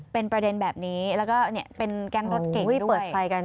เป็นประเด็นแบบนี้แล้วก็เป็นแก๊งรถเก่งเปิดไฟกัน